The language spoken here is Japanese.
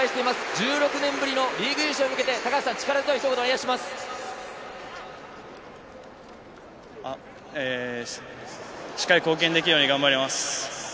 １６年ぶりのリーグ優勝に向けてしっかり貢献できるように頑張ります。